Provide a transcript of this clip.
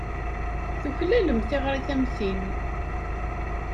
Tuklalem tiɣrit am tin!